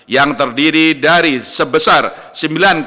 yang terdiri dari sebesar rp sembilan delapan belas triliun